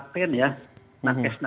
itu kata orang senama pelaten ya